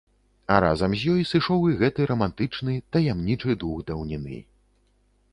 А разам з ёй сышоў і гэты рамантычны таямнічы дух даўніны.